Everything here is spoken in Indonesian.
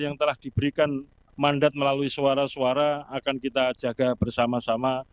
yang telah diberikan mandat melalui suara suara akan kita jaga bersama sama